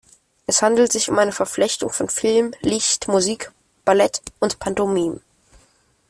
Es handelt sich um eine Verflechtung von Film, Licht, Musik, Ballett und Pantomime.